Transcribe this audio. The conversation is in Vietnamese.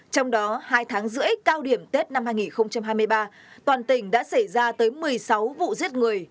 trong đó hai tháng rưỡi cao điểm tết năm hai nghìn hai mươi ba toàn tỉnh đã xảy ra tới một mươi sáu vụ giết người